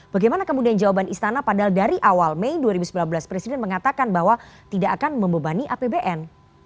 bagaimana kemudian jawaban istana padahal dari awal mei dua ribu sembilan belas presiden mengatakan bahwa tidak akan membebani apbn